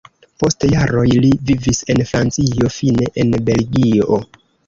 Post jaroj li vivis en Francio, fine en Belgio.